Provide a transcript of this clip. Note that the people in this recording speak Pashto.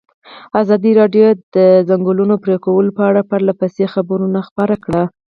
ازادي راډیو د د ځنګلونو پرېکول په اړه پرله پسې خبرونه خپاره کړي.